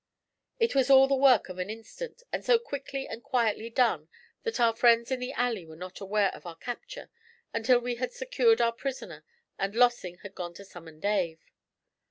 It was all the work of an instant, and so quickly and quietly done that our friends in the alley were not aware of our capture until we had secured our prisoner and Lossing had gone to summon Dave.